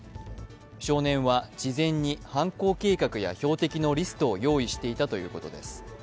少年は事前に、犯行計画や標的のリストを用意していたということです。